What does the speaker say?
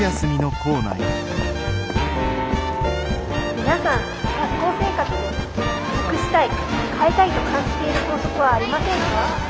「皆さん学校生活でなくしたい変えたいと感じている校則はありませんか？